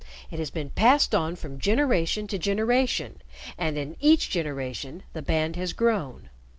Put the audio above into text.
It has been passed on from generation to generation, and in each generation the band has grown.